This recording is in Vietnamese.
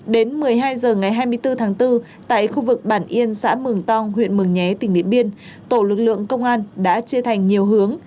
đến một mươi hai h ngày hai mươi bốn tháng bốn tại khu vực bản yên xã mường tong huyện mường nhé tỉnh điện biên tổ lực lượng công an đã chia thành nhiều hướng